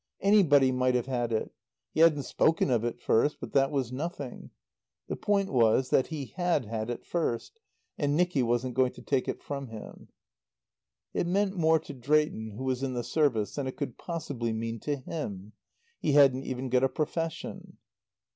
Anybody might have had it. He hadn't spoken of it first; but that was nothing. The point was that he had had it first, and Nicky wasn't going to take it from him. It meant more to Drayton, who was in the Service, than it could possibly mean to him. He hadn't even got a profession.